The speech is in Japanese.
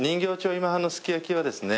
今半のすき焼きはですね